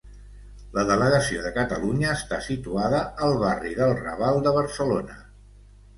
La delegació de Catalunya està situada al barri del Raval de Barcelona.